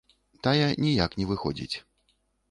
Тая ніяк не выходзіць.